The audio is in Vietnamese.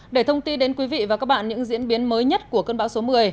để thông tin đến quý vị và các bạn những diễn biến mới nhất của cơn bão số một mươi